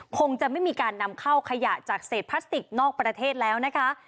คงจะไม่มีการนำเข้าขยะจากเศษพลาสติกนอกประเทศแล้วนะคะ